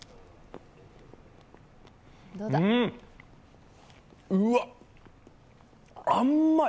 うん、うわっ、甘い！